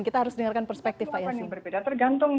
kita harus dengarkan perspektif pak yasin